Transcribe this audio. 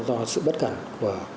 do sự bất cẩn của